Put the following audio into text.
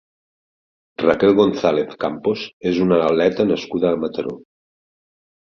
Raquel González Campos és una atleta nascuda a Mataró.